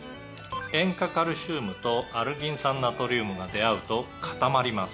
「塩化カルシウムとアルギン酸ナトリウムが出会うと固まります」